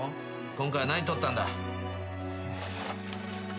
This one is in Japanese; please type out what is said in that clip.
今回は何取ったんだ？